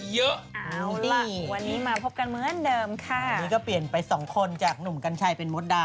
เอาล่ะวันนี้มาพบกันเหมือนเดิมค่ะนี่ก็เปลี่ยนไปสองคนจากหนุ่มกัญชัยเป็นมดดำ